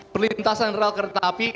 perlintasan rel kereta api